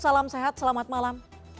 salam sehat selamat malam